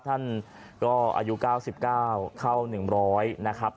ท่านก็อายุ๙๙เข้า๑๐๐นะครับ